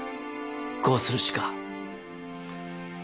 こうするしか。